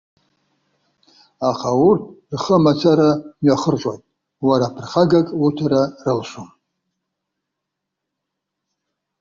Аха урҭ рхы мацара мҩахырҟьоит, уара ԥырхагак уҭара рылшом.